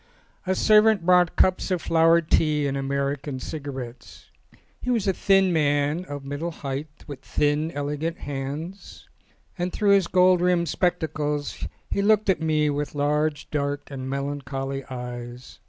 A servant brought cups of flowered tea and American cigarettes. He was a thin man, of the middle height, with thin, elegant hands ; and through his gold rimmed spectacles he looked at me with large, dark, and melancholy eyes.